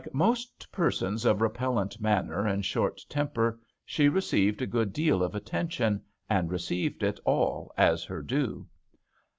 Like most persons of repellent manner and short temper, she received a good deal of attention, and received it all as her due.